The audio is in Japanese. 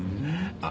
あっ！